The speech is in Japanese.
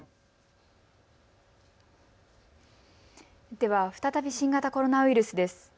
では再び新型コロナウイルスです。